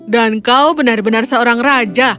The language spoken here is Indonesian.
dan kau benar benar seorang raja